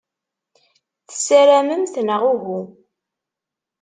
Tessaramemt, neɣ uhu?